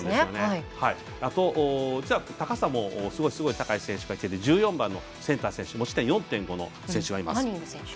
高さもすごい高い選手がいて１４番のセンター選手持ち点４．５の選手がいます。